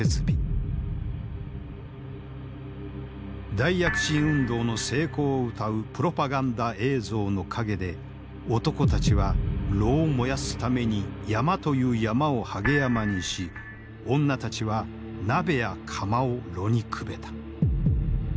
大躍進運動の成功をうたうプロパガンダ映像の陰で男たちは炉を燃やすために山という山をはげ山にし女たちは鍋や釜を炉にくべた。